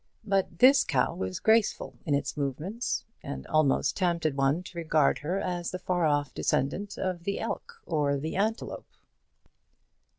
But this cow was graceful in its movements, and almost tempted one to regard her as the far off descendant of the elk or the antelope.